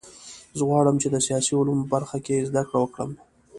زه غواړم چې د سیاسي علومو په برخه کې زده کړه وکړم